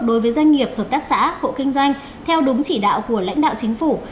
đối với doanh nghiệp hợp tác xã hộ kinh doanh theo đúng chỉ đạo của lãnh đạo chính phủ